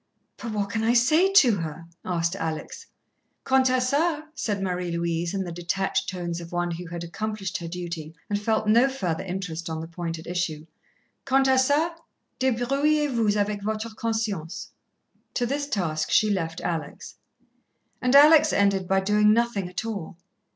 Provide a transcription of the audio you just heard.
"But what can I say to her?" asked Alex. "Quant à ça," said Marie Louise, in the detached tones of one who had accomplished her duty and felt no further interest on the point at issue, "quant à ça, débrouillez vous avec vôtre conscience." To this task she left Alex. And Alex ended by doing nothing at all.